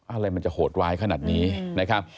อะไรมันจะโหดร้ายขนาดนี้นะครับ